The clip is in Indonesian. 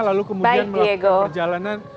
lalu kemudian melakukan perjalanan